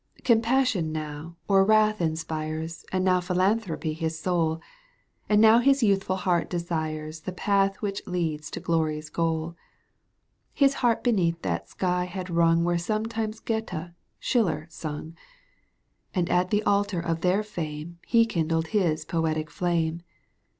Compassion now or wrath inspires And now philanthropy his soul, And now his youthful heart desires The path which leads to glory's goal. His harp beneath that sky had rung Where sometime Goethe, Schiller sung, * And at the altar of their fame He kindled his poetic flame.